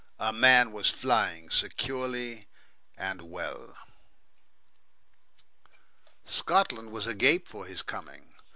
A man was flying securely and well. Scotland was agape for his coming.